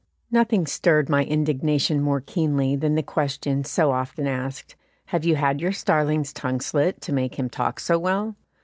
Nothing stirred my indignation more keenly than the question so often asked, "Have you had your starling's tongue slit to make him talk so well?"